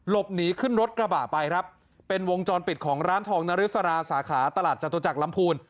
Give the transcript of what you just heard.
หนีขึ้นรถกระบะไปครับเป็นวงจรปิดของร้านทองนริสราสาขาตลาดจตุจักรลำพูน